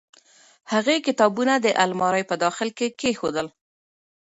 هغې کتابونه د المارۍ په داخل کې کېښودل.